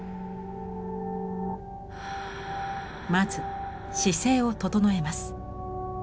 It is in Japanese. まず姿勢を整えます。